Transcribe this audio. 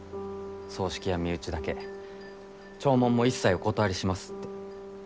葬式は身内だけ弔問も一切お断りしますって。